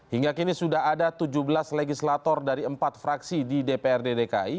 hingga kini sudah ada tujuh belas legislator dari empat fraksi di dprd dki